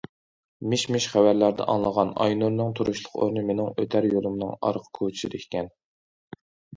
مىش- مىش خەۋەرلەردە ئاڭلىغان ئاينۇرنىڭ تۇرۇشلۇق ئورنى مېنىڭ ئۆتەر يولۇمنىڭ ئارقا كوچىسىدا ئىكەن.